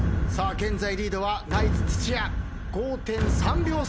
現在リードはナイツ土屋５．３秒差。